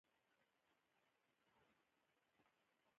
خپله ژبه تل د الله جل جلاله په یاد لنده ساته.